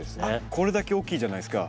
これだけ大きいじゃないですか。